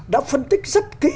đã phân tích rất kỹ